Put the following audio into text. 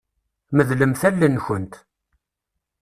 Medlemt allen-nkent.